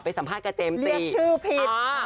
ไปสัมภาษณ์กับเจมส์จี